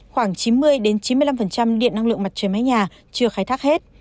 khoảng chín mươi chín mươi năm điện năng lượng mặt trời mái nhà chưa khai thác hết